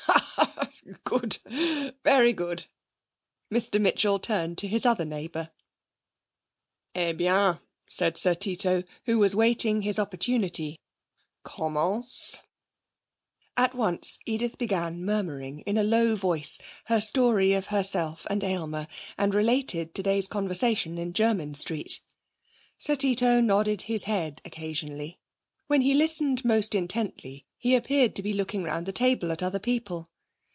'Ha ha! Good, very good!' Mr Mitchell turned to his other neighbour. 'Eh bien,' said Sir Tito, who was waiting his opportunity. 'Commence!' At once Edith began murmuring in a low voice her story of herself and Aylmer, and related today's conversation in Jermyn Street. Sir Tito nodded his head occasionally. When he listened most intently, he appeared to be looking round the table at other people.